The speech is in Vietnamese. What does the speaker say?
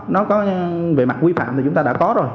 nó có về mặt quy phạm thì chúng ta đã có rồi